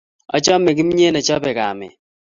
Achame kimnyet ne chopei kamet